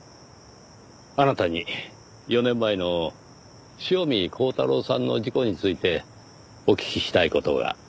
あなたに４年前の塩見耕太郎さんの事故についてお聞きしたい事が。